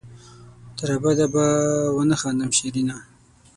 تر ابده به ونه خاندم شېرينه